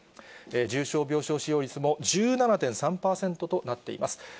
重症病床使用率も１７．３％となっています。